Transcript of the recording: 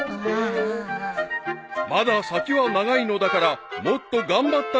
［まだ先は長いのだからもっと頑張ったらどうだ］